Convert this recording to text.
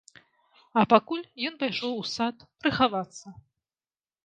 А пакуль ён пайшоў у сад прыхавацца.